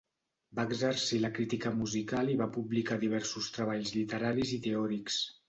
Va exercir la crítica musical i va publicar diversos treballs literaris i teòrics.